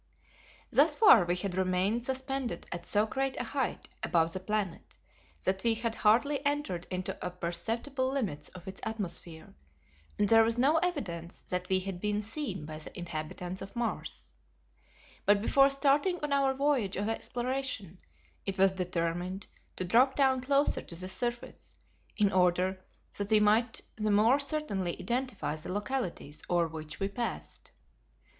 Thus far we had remained suspended at so great a height above the planet that we had hardly entered into the perceptible limits of its atmosphere and there was no evidence that we had been seen by the inhabitants of Mars; but before starting on our voyage of exploration it was determined to drop down closer to the surface in order that we might the more certainly identify the localities over which we passed.